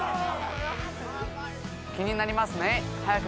気になりますよね？